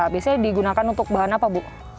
biasanya digunakan untuk bahan apa bu